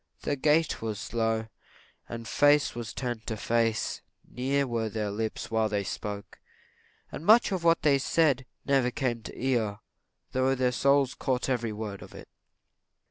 Their gait was slow, and face was turned to face; near were their lips while they spoke; and much of what they said never came to the ear, though their souls caught up every word of it.